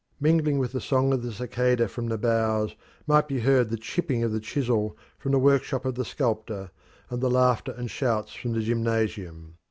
Mingling with the song of the cicada from the boughs might be heard the chipping of the chisel from the workshop of the sculptor, and the laughter and shouts from the gymnasium.